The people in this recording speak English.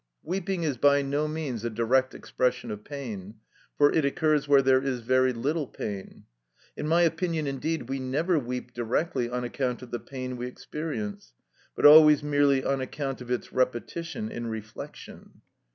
Weeping is by no means a direct expression of pain, for it occurs where there is very little pain. In my opinion, indeed, we never weep directly on account of the pain we experience, but always merely on account of its repetition in reflection.